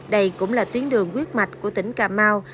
đây cũng là tuyến đường quyết mạch của tỉnh cà mau